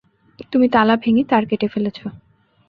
তুমি তালা ভেঙ্গে তার কেটে ফেলেছ।